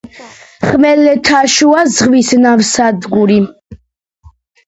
ხმელთაშუა ზღვის ნავსადგური.